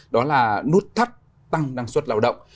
đó là nút thắt tăng năng suất lao động